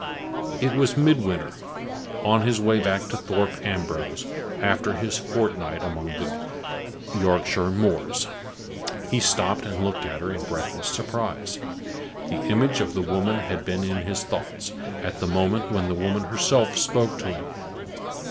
It was Midwinter, on his way back to Thorpe Ambrose, after his fortnight among the Yorkshire moors. He stopped and looked at her, in breathless surprise. The image of the woman had been in his thoughts, at the moment when the woman herself spoke to him.